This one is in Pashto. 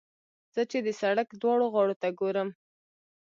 زه چې د سړک دواړو غاړو ته ګورم.